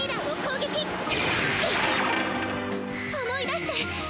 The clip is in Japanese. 思い出して！